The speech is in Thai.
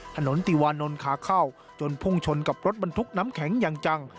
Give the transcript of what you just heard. ถนนติวานนท์ขาเข้าจนพุ่งชนกับรถบรรทุกน้ำแข็งอย่างจัง